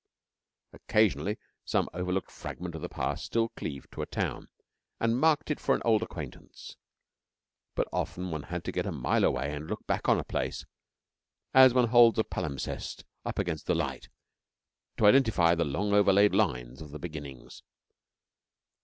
Occasionally some overlooked fragment of the past still cleaved to a town, and marked it for an old acquaintance, but often one had to get a mile away and look back on a place as one holds a palimpsest up against the light to identify the long overlaid lines of the beginnings.